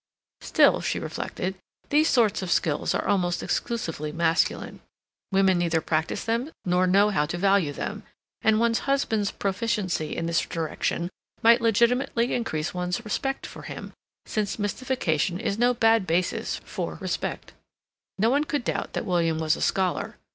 Still, she reflected, these sorts of skill are almost exclusively masculine; women neither practice them nor know how to value them; and one's husband's proficiency in this direction might legitimately increase one's respect for him, since mystification is no bad basis for respect. No one could doubt that William was a scholar.